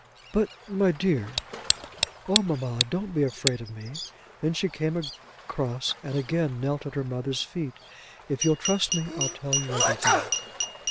"But my dear " "Oh mamma; don't be afraid of me." Then she came across, and again knelt at her mother's feet. "If you'll trust me I'll tell you everything."